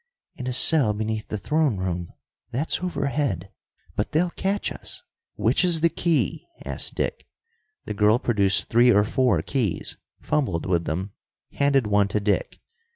"In a cell beneath the throne room. That's overhead. But they'll catch us " "Which is the key?" asked Dick. The girl produced three or four keys, fumbled with them, handed one to Dick.